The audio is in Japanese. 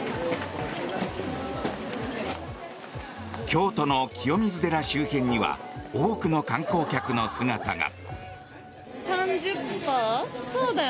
京都の清水寺周辺には多くの観光客の姿が。